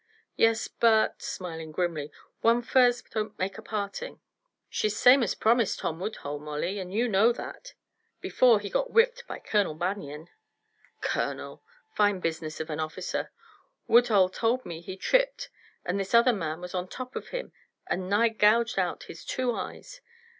"Yes. But" smiling grimly "one furse don't make a parting." "She's same as promised Sam Woodhull, Molly, and you know that." "Before he got whipped by Colonel Banion." "Colonel! Fine business for an officer! Woodhull told me he tripped and this other man was on top of him and nigh gouged out his two eyes.